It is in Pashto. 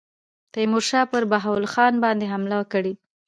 تیمورشاه پر بهاول خان باندي حمله کړې.